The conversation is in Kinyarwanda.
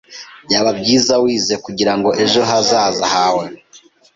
[S] Byaba byiza wize kugirango ejo hazaza hawe.